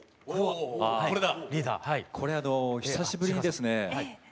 これあの久しぶりにですね